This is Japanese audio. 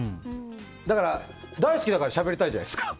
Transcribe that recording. だから、大好きだからしゃべりたいじゃないですか。